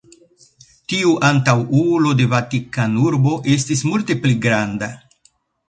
Tiu antaŭulo de Vatikanurbo estis multe pli granda.